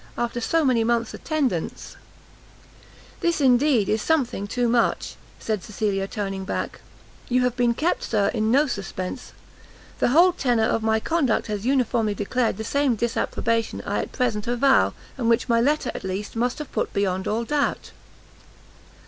After so many months' attendance " "This, indeed, is something too much," said Cecilia, turning back, "You have been kept, Sir, in no suspense; the whole tenor of my conduct has uniformly declared the same disapprobation I at present avow, and which my letter, at least, must have put beyond all doubt."